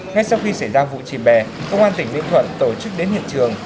ngay sau khi xảy ra vụ chìm bè công an tỉnh ninh thuận tổ chức đến hiện trường